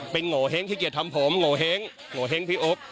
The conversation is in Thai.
เป็นโงเห้งขี้เกียจทำผมโงเห้งโงเห้งพี่โอ๊ค